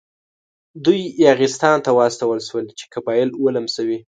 دوی یاغستان ته واستول شول چې قبایل ولمسوي.